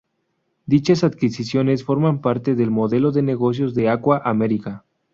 Dichas adquisiciones forman parte del modelo de negocios de Aqua America.